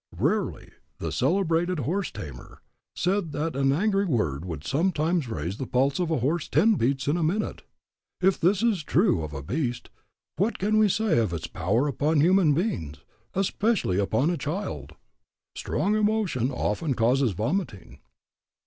Rarey, the celebrated horse tamer, said that an angry word would sometimes raise the pulse of a horse ten beats in a minute. If this is true of a beast, what can we say of its power upon human beings, especially upon a child? Strong mental emotion often causes vomiting.